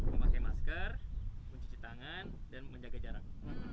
memakai masker mencuci tangan dan menjaga jarak